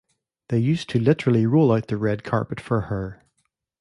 They used to literally roll out the red carpet for her.